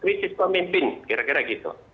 krisis pemimpin kira kira gitu